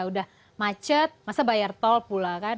udah macet masa bayar tol pula kan